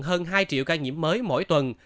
hơn hai triệu ca nhiễm mới mỗi tuần